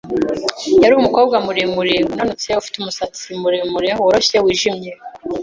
Yari umukobwa muremure, unanutse ufite umusatsi muremure, woroshye wijimye.